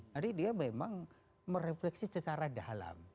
jadi dia memang merefleksi secara dalam